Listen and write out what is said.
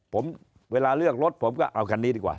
ผมเวลาเลือกรถผมก็เอาคันนี้ดีกว่า